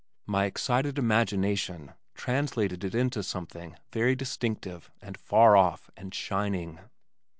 My excited imagination translated it into something very distinctive and far off and shining.